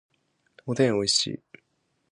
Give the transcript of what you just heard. おでんおいしい